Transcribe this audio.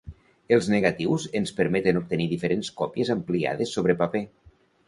Els negatius ens permeten obtenir diferents còpies ampliades sobre paper.